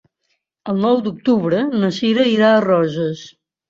El nou d'octubre na Cira irà a Roses.